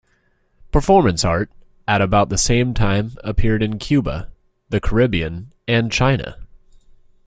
Performance art at about the same time appeared in Cuba, the Caribbean and China.